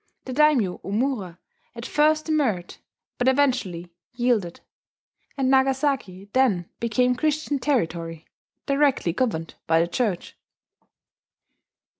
The daimyo, Omura, at first demurred, but eventually yielded; and Nagasaki then became Christian territory, directly governed by the Church.